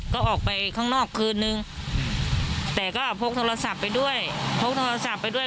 ก็ออกไปข้างนอกคืนนึงแต่ก็พกโทรศัพท์ไปด้วยพกโทรศัพท์ไปด้วย